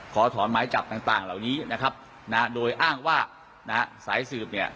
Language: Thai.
ขอถอนหมายจับต่างเหล่านี้นะครับโดยอ้างว่าสายสืบเนี่ย